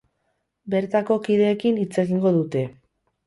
Bertako kideekin hitz egingo dute.